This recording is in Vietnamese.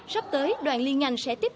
sắp tới đoàn liên ngành sẽ tiếp tục